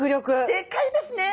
でっかいですね！